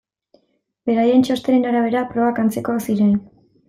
Beraien txostenen arabera probak antzekoak ziren.